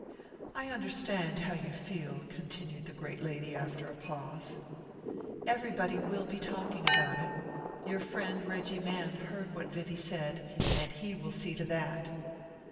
"I understand how you feel," continued the great lady, after a pause. "Everybody will be talking about it. Your friend Reggie Mann heard what Vivie said, and he will see to that."